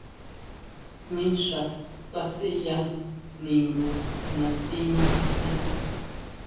Mixa kasʼeya ningu nati nyisen.